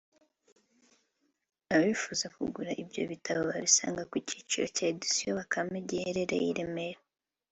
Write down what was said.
Abifuza kugura ibyo bitabo babisanga ku cyicaro cya Editions Bakame giherereye i Remera